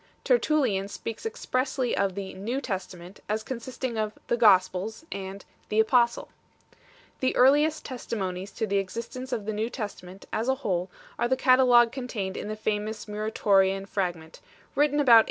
Tertullian speaks expressly of the "New Testament" as consisting of "the Gospels" and "the Apostle V The earliest testimonies to the existence of the New Testament as a whole are the catalogue con tained in the famous Murator ian Fragment 5 , written about A.